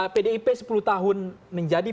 pdip sepuluh tahun menjadi